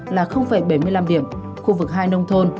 là bảy mươi năm điểm khu vực hai nông thôn